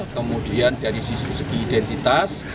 kemudian dari sisi segi identitas